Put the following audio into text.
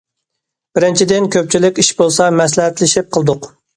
بىرىنچىدىن، كۆپچىلىك ئىش بولسا مەسلىھەتلىشىپ قىلدۇق.